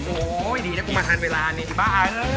โอ๋ดีแล้วมันมาทันเวลานี้ดิบ๊า